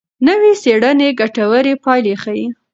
نوې څېړنه ګټورې پایلې ښيي.